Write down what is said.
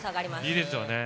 いいですよね。